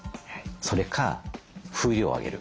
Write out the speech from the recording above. それか風量を上げる。